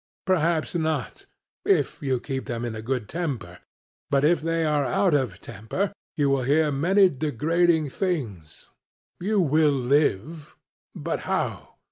Perhaps not, if you keep them in a good temper; but if they are out of temper you will hear many degrading things; you will live, but how?